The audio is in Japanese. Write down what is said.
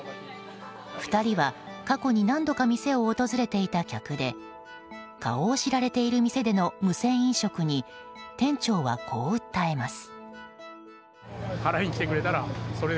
２人は過去に何度か店を訪れていた客で顔を知られている店での無銭飲食に店長は、こう訴えます。